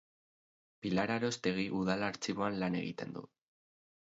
Pilar Arostegi Udal Artxiboan lan egiten du.